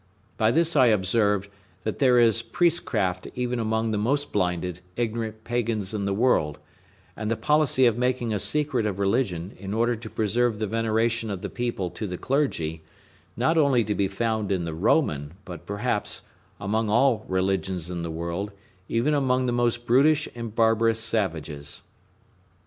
By this I observed, that there is priestcraft even among the most blinded, ignorant pagans in the world; and the policy of making a secret of religion, in order to preserve the veneration of the people to the clergy, not only to be found in the Roman, but, perhaps, among all religions in the world, even among the most brutish and barbarous savages.